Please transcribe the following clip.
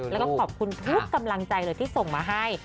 แล้วก็ขอบคุณทุกกำลังใจเลยที่ส่งมาให้